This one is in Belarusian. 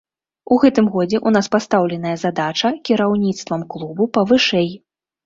У гэтым годзе ў нас пастаўленая задача кіраўніцтвам клубу павышэй.